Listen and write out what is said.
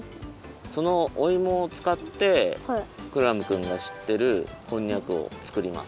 そのおいもをつかってクラムくんがしってるこんにゃくをつくります。